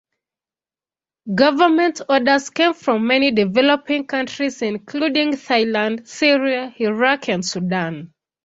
Government orders came from many developing countries including Thailand, Syria, Iraq and Sudan.